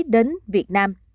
đến việt nam